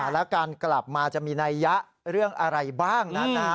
แล้วการกลับมาจะมีนัยยะเรื่องอะไรบ้างนั้นนะฮะ